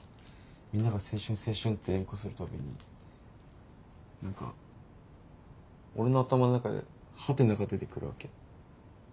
みんなが「青春青春」って連呼するたびに何か俺の頭の中でハテナが出てくるわけ。